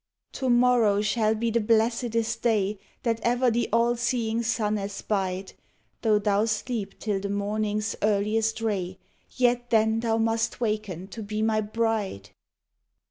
To morrow shall be the blessedest day That ever the all seeing sun espied: Though thou sleep till the morning's earliest ray, Yet then thou must waken to be my bride.